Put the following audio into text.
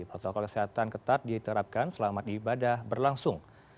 patokal kesehatan ketat diterapkan selamat ibadah berlangsung